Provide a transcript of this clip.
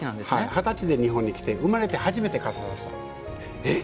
二十で日本に来て生まれて初めてえっ。